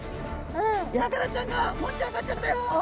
ヤガラちゃんが持ち上がっちゃったよ！